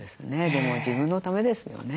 でも自分のためですよね。